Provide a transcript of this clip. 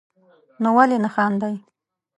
نو ولي نه خاندئ